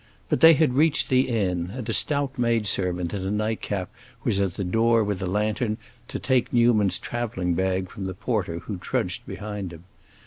But they had reached the inn, and a stout maid servant in a night cap was at the door with a lantern, to take Newman's traveling bag from the porter who trudged behind him.